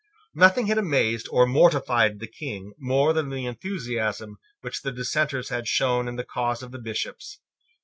Nothing had amazed or mortified the King more than the enthusiasm which the Dissenters had shown in the cause of the Bishops.